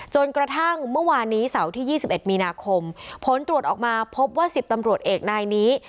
จนกระทั่งเมื่อวานนี้เสาร์ที่๒๑มีนาคมผลตรวจออกมาพบว่า๑๐ตำรวจเอกนายนี้